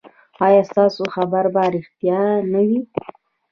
ایا ستاسو خبر به ریښتیا نه وي؟